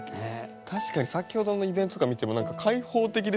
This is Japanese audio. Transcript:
確かに先ほどのイベントとか見ても何か開放的ですよね。